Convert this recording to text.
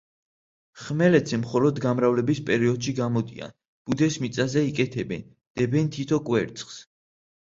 ხმელეთზე მხოლოდ გამრავლების პერიოდში გამოდიან, ბუდეს მიწაზე იკეთებენ, დებენ თითო კვერცხს.